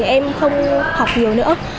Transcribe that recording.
em không học nhiều nữa